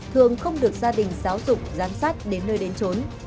thường không được gia đình giáo dục giám sát đến nơi đến trốn